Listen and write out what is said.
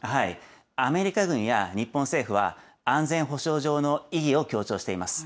アメリカ軍や日本政府は、安全保障上の意義を強調しています。